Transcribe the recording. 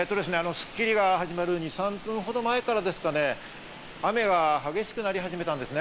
『スッキリ』が始まる２３分ほど前からですかね、雨が激しくなり始めたんですね。